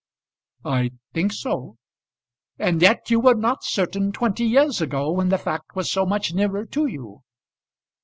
"I think so." "And yet you were not certain twenty years ago, when the fact was so much nearer to you?"